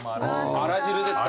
あら汁ですか。